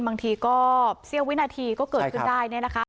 บางทีก็เสี้ยววินาทีก็เกิดขึ้นได้